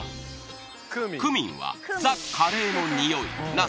クミンはザ・カレーのにおいな